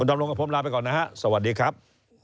คุณดำรงกับผมลาไปก่อนนะครับสวัสดีครับ